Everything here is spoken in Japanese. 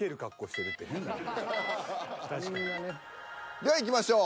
ではいきましょう。